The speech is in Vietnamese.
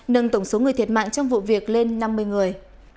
nâng tổng số người thiệt mạng trong vụ việc lên năm mươi người